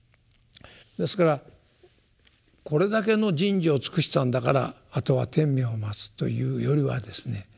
ですからこれだけの人事を尽くしたんだからあとは天命を待つというよりはですね